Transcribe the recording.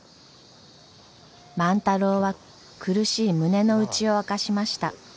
万太郎は苦しい胸の内を明かしました。